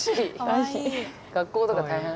学校とか大変？